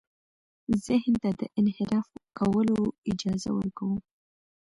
ذهن ته د انحراف کولو اجازه ورکوو.